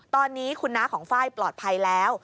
ตอนนี้คุณน้าของไฟล์ปลอดภัยแล้ว